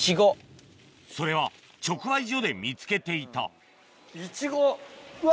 それは直売所で見つけていたうわ